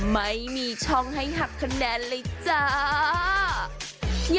ไม่มีช่องให้หักคะแนนเลยจ้า